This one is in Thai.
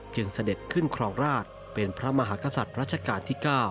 เสด็จขึ้นครองราชเป็นพระมหากษัตริย์รัชกาลที่๙